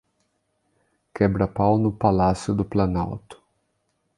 Quebra-pau no Palácio do Planalto